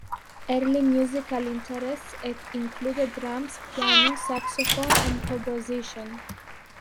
Early musical interests included drums, piano, saxophone and composition.